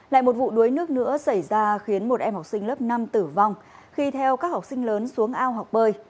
lại một vụ đuối nước nữa xảy ra khiến một em học sinh lớp năm tử vong khi theo các học sinh lớn xuống ao học bơi